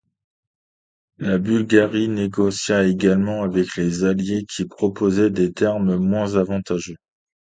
La Bulgarie négocia également avec les Alliés, qui proposaient des termes moins avantageux.